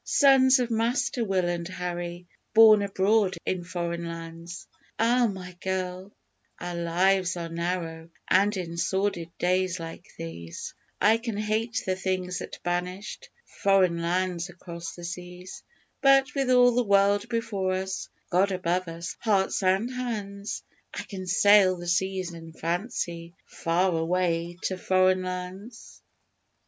Sons of Master Will and Harry born abroad in Foreign Lands! _Ah, my girl, our lives are narrow, and in sordid days like these, I can hate the things that banished 'Foreign Lands across the seas,' But with all the world before us, God above us hearts and hands, I can sail the seas in fancy far away to Foreign Lands.